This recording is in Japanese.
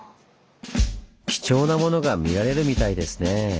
貴重なものが見られるみたいですねぇ。